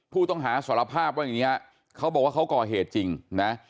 ผู้ต้องหาสารภาพว่าอย่างนี้ฮะเขาบอกว่าเขาก่อเหตุจริงนะ